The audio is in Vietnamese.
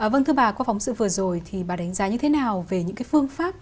vâng thưa bà qua phóng sự vừa rồi thì bà đánh giá như thế nào về những cái phương pháp